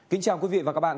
kính chào quý vị và các bạn